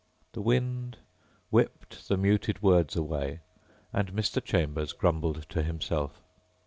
The wind whipped the muted words away and Mr. Chambers grumbled to himself.